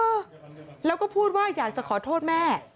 เออแล้วก็พูดว่าอยากจะขอโทษแม่